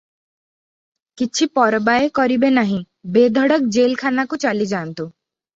କିଛି ପରବାଏ କରିବେ ନାହିଁ, ବେଧଡ଼କ ଜେଲ୍ ଖାନାକୁ ଚାଲିଯାଆନ୍ତୁ ।